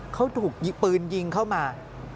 เขาถูกปืนยิงเข้ามา